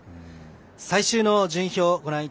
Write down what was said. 最終の順位表です。